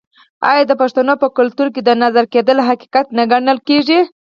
آیا د پښتنو په کلتور کې د نظر کیدل حقیقت نه ګڼل کیږي؟